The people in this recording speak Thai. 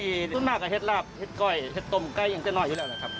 คนอีสานด์นี้ส่วนมากก็แฮดลาบแฮดก่อยเปตต้มใกล้อย่างเกือบหน้าอยู่แล้วครับ